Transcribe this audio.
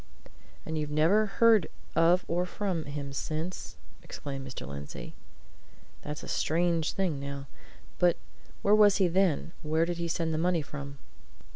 "And you've never heard of or from him since?" exclaimed Mr. Lindsey. "That's a strange thing, now. But where was he then? Where did he send the money from?"